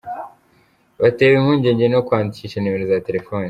Batewe impungenge no kwandikisha nimero za telefone